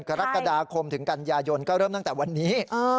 กรกฎาคมถึงกันยายนก็เริ่มตั้งแต่วันนี้